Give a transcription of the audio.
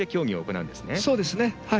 そうですね。